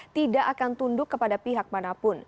tidak akan tunduk kepada pihak manapun